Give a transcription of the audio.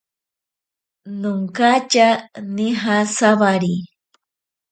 Nonkatya nija sawari.